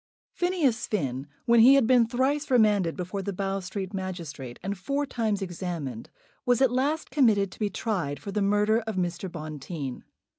Phineas Finn, when he had been thrice remanded before the Bow Street magistrate, and four times examined, was at last committed to be tried for the murder of Mr. Bonteen.